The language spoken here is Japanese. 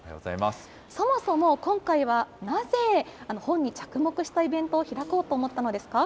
そもそも今回は、なぜ本に着目したイベントを開こうと思ったのですか。